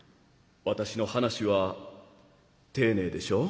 私の話は丁寧でしょう。